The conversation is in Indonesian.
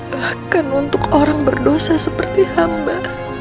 bahkan untuk orang berdosa seperti hamba